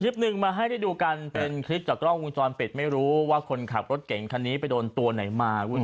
คลิปหนึ่งมาให้ได้ดูกันเป็นคลิปจากกล้องวงจรปิดไม่รู้ว่าคนขับรถเก่งคันนี้ไปโดนตัวไหนมาคุณผู้ชม